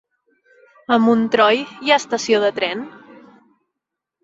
A Montroi hi ha estació de tren?